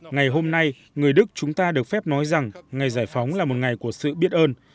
ngày hôm nay người đức chúng ta được phép nói rằng ngày giải phóng là một ngày của sự biết ơn